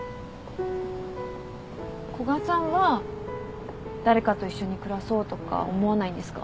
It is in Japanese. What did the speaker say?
古賀さんは誰かと一緒に暮らそうとか思わないんですか？